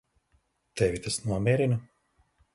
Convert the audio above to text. Tevi tas nomierina?